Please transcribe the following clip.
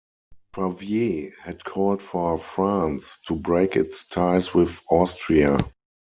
Favier had called for France to break its ties with Austria.